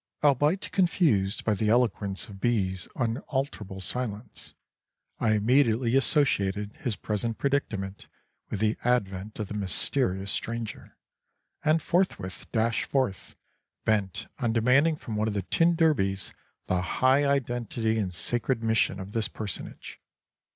Albeit confused by the eloquence of B.'s unalterable silence, I immediately associated his present predicament with the advent of the mysterious stranger, and forthwith dashed forth, bent on demanding from one of the tin derbies the high identity and sacred mission of this personage.